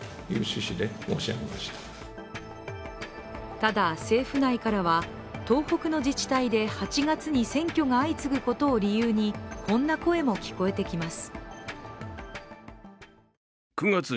ただ、政府内からは東北の自治体で８月に選挙が相次ぐことを理由にこんな声も聞こえてきます。